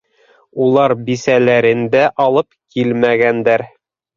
Улар бисәләрен дә алып килмәгәндәр.